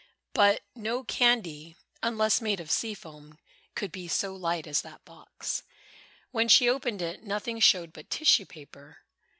But no candy, unless made of sea foam, could be so light as that box. When she opened it, nothing showed but tissue paper.